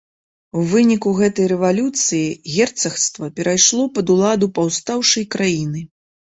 У выніку гэтай рэвалюцыі герцагства перайшло пад уладу паўстаўшай краіны.